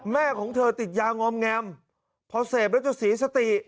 แม่ของเธอติดยางอมแงมพอเสพแล้วจะเสียสติ